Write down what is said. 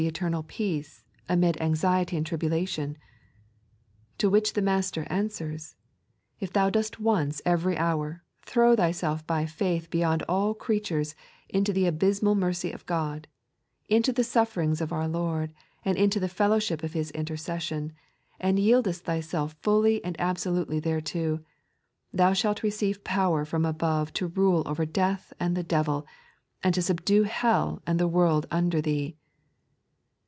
eternal peace amid aJtziety and tribnlatioD ?" To which the Master aimwers :" If thou dost once every hour throw thyself by faith beyond all creatures into the abysmal taetcj of God, into the sufieringB of our Lord, and into the fellowship of His intercession, and yieldest thyself fully aud absolutely thereto, thou shalt receive power from above to rule over death and the devil, and to subdue hell and the world under thee."